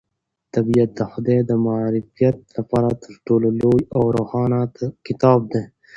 طبیعت د خدای د معرفت لپاره تر ټولو لوی او روښانه کتاب دی.